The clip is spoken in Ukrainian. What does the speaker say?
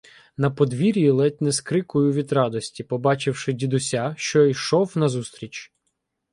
На подвір'ї ледь не скрикую від радості, побачивши дідуся, що йшов назустріч.